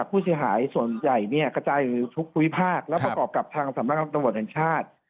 ผู้เสียหายส่วนใหญ่เนี่ยกระจายอยู่ทุกภูมิภาคแล้วประกอบกับทางสำนักงานตำรวจแห่งชาติ